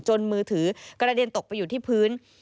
มือถือกระเด็นตกไปอยู่ที่พื้น